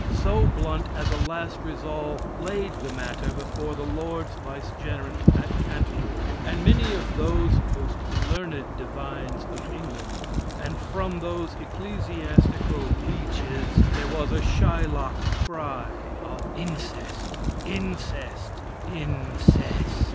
So Blount, as a last resolve, laid the matter before the Lord's Vicegerent at Canterbury, and many of the most learned divines of England; and from those ecclesiastical leeches there was a Shylock cry of _incest, incest, incest!